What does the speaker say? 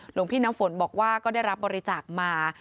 หลวงพี่น้ำฝนบอกว่าก็ได้รับบริจาคมา